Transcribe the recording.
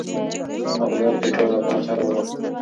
انا په دعا کې د ټولو لپاره خیر وغوښت.